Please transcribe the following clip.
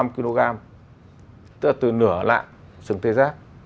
tức là từ nửa lạng sừng tê giác